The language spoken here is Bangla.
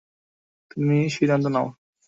তুমি সিদ্ধান্ত নাও।